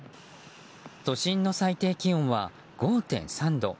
都心の最低気温は５．３度。